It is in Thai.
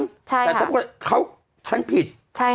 แต่ถ้าบอกว่าฉันผิด